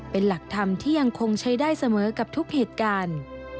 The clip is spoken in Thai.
เป็นหลักธรรมที่ยังคงใช้ได้เสมอกับทุกเหตุการณ์